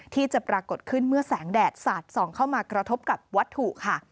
ที่จะปรากฏขึ้นเมื่อแสงแดดสาดส่องเข้ามากระทบกับวัตถุค่ะ